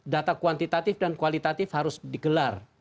data kuantitatif dan kualitatif harus digelar